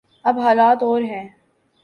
اب حالات اور ہیں۔